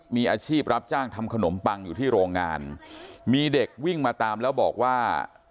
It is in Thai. มีอาชีพรับจ้างทำขนมปังอยู่ที่โรงงานมีเด็กวิ่งมาตามแล้วบอกว่า